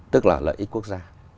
tức là lợi ích quốc gia